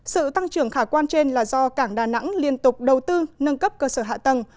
sự tăng trưởng khả quan trên là do cảng đà nẵng liên tục đầu tư nâng cấp cơ sở hạ tầng